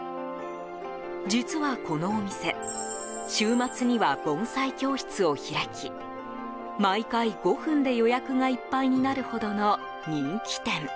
実は、このお店週末には盆栽教室を開き毎回５分で予約がいっぱいになるほどの人気店。